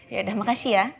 yaudah makasih ya